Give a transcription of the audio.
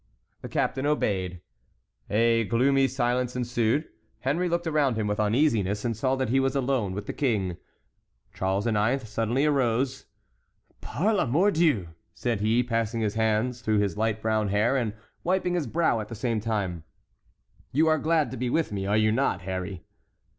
The captain obeyed. A gloomy silence ensued. Henry looked around him with uneasiness, and saw that he was alone with the King. Charles IX. suddenly arose. "Par la mordieu!" said he, passing his hands through his light brown hair, and wiping his brow at the same time, "you are glad to be with me, are you not, Harry?"